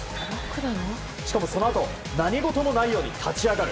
しかもそのあと何事もないように立ち上がる。